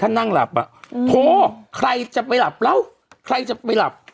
ถ้านั่งหลับอ่ะโทรใครจะไปหลับแล้วใครจะไปหลับ